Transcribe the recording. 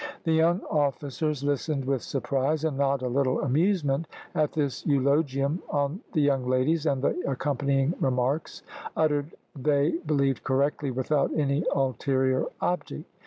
The young officers listened with surprise, and not a little amusement, at this eulogium on the young ladies, and the accompanying remarks uttered they believed correctly without any ulterior object.